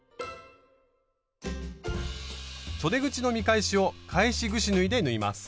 そで口の見返しを返しぐし縫いで縫います。